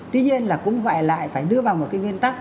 tuy nhiên là cũng vậy lại phải đưa vào một cái nguyên tắc